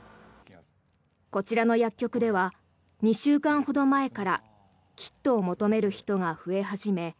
こちらの薬局では２週間ほど前からキットを求める人が増え始め